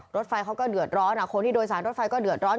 รถไฟเขาก็เดือดร้อนคนที่โดยสารรถไฟก็เดือดร้อน